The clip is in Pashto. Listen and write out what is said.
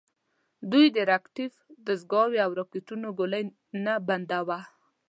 دوی د ریکتیف دستګاوو او راکېټونو ګولۍ نه بنداوه.